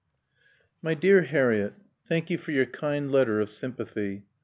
X "My dear Harriett: Thank you for your kind letter of sympathy.